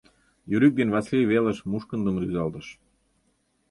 Юрик ден Васлий велыш мушкындым рӱзалтыш.